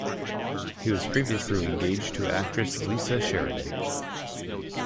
He was previously engaged to actress Lisa Sheridan.